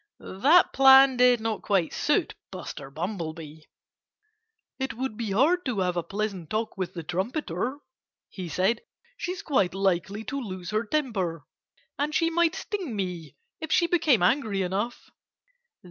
That plan did not quite suit Buster Bumblebee. "It would be hard to have a pleasant talk with the trumpeter," he said. "She's quite likely to lose her temper. And she might sting me if she became angry enough."